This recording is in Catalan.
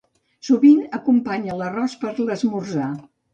Sovint acompanya l'arròs per l'esmorzar.